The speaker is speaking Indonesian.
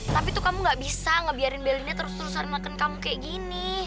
tapi tuh kamu gak bisa ngebiarin belinya terus terusan makan kamu kayak gini